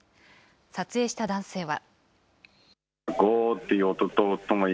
撮影した男性は。